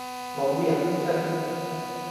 冇人性!